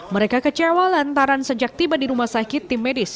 mereka kecewa lantaran sejak tiba di rumah sakit tim medis